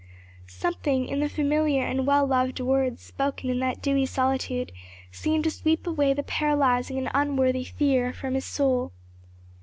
'" Something in the familiar and well loved words spoken in that dewy solitude seemed to sweep away the paralyzing and unworthy fear from out his soul.